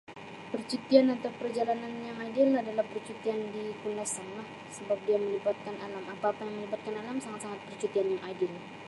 Percutian untuk perjalanan yang ideal adalah percutian di Kundasanglah sebab dia melibatkan alam. Apa-apa yang melibatkan alam sangat-sangat percutian yang ideal.